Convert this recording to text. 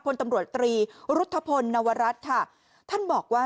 พลตำรวจตรีรุธพลนวรัฐค่ะท่านบอกว่า